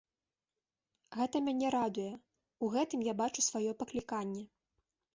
Гэта мяне радуе, у гэтым я бачу свае пакліканне.